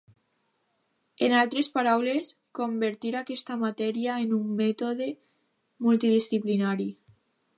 En altres paraules, convertir aquesta matèria en un mètode multidisciplinari.